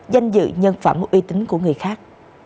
danh dự nhân phẩm uy tín của người khác